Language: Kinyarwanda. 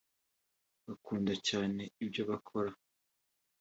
bakunda cyane ibyo bakora